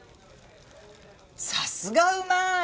さすがうまい！